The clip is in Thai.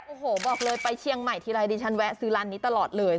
โอ้โหบอกเลยไปเชียงใหม่ทีไรดิฉันแวะซื้อร้านนี้ตลอดเลย